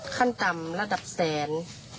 ขั้นต่ำระดับแสน